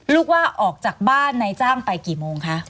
ลูกว่าออกจากบ้านนายจ้างไปกี่โมงคะ